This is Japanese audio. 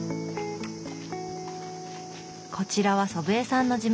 こちらは祖父江さんの事務所。